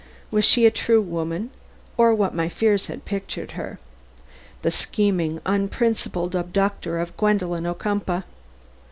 Was she a true woman or what my fears pictured her the scheming, unprincipled abductor of Gwendolen Ocumpaugh?